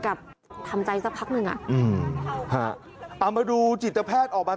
กับทำใจสักพักหนึ่งอ่ะอืมฮะเอามาดูจิตแพทย์ออกมา